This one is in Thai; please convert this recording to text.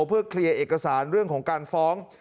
เพื่อเคลียร์เอกสารเรื่องของการฟ้อง